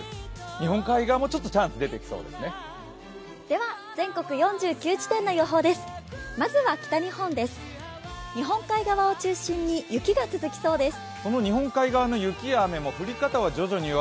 日本海側もちょっとチャンス出てきそうですね。